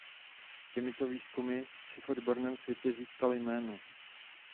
Těmito výzkumy si v odborném světě získal jméno.